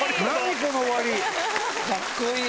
この終わり！